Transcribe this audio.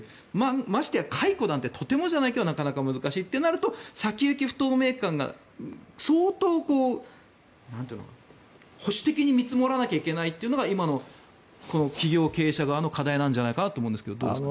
ましてや解雇なんてとてもじゃないけどなかなか難しいとなると先行き不透明感が相当、保守的に見積もらなきゃいけないというのが今の企業経営者側の課題なんじゃないかなと思うんですが、どうですか？